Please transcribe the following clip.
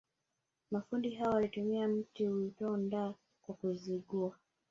Mafundi hao walitumia mti uitwao ndaa Kwa Kizigua